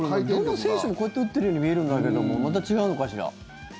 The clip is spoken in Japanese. どの選手もこうやって打ってるように見えるんだけどもまた違うのかしら。